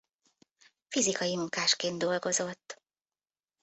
Fizikai munkásként dolgozott.